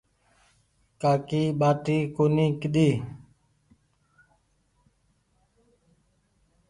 ڪآڪي ٻآٽي ڪونيٚ ڪيڌي